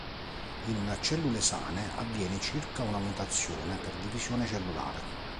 In cellule sane, avviene circa una mutazione per divisione cellulare.